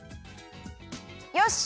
よし！